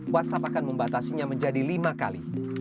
whatsapp akan membatasinya menjadi lima kali